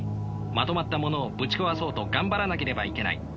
まとまったものをぶち壊そうと頑張らなければいけない。